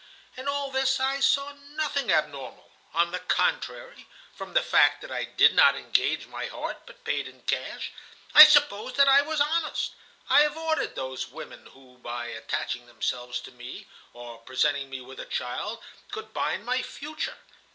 "In all this I saw nothing abnormal. On the contrary, from the fact that I did not engage my heart, but paid in cash, I supposed that I was honest. I avoided those women who, by attaching themselves to me, or presenting me with a child, could bind my future.